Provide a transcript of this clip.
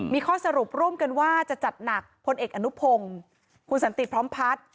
มีข้อสรุปร่วมกันว่าจะจัดหนักพลเอกอนุพงศ์คุณสันติพร้อมพัฒน์